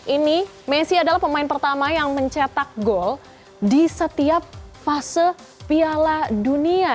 ini messi adalah pemain pertama yang mencetak gol di setiap fase piala dunia